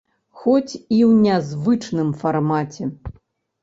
Хоць і ў нязвычным фармаце.